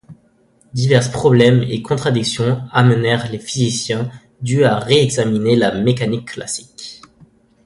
Divers problèmes et contradictions amenèrent les physiciens du à réexaminer la mécanique classique.